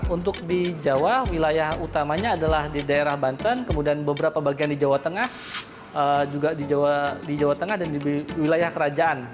untuk di jawa wilayah utamanya adalah di daerah banten kemudian beberapa bagian di jawa tengah juga di jawa tengah dan di wilayah kerajaan